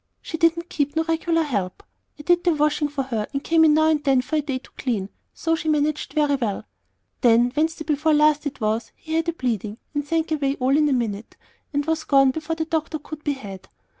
She didn't keep no regular help. I did the washing for her, and come in now and then for a day to clean; so she managed very well. "Then, Wednesday before last, it was, he had a bleeding, and sank away like all in a minute, and was gone before the doctor could be had.